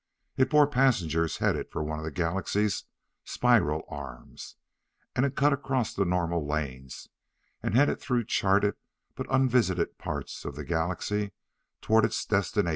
It bore passengers headed for one of the Galaxy's spiral arms, and it cut across the normal lanes and headed through charted but unvisited parts of the Galaxy toward its destination.